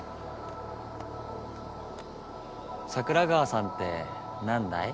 「桜川さん」って何だい？